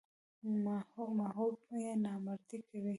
ماهویه نامردي کوي.